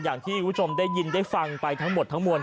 อย่างที่คุณผู้ชมได้ยินได้ฟังไปทั้งหมดทั้งมวล